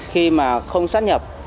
khi mà không sát nhập